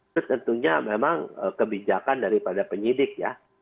terus tentunya memang kebijakan daripada penyidik ya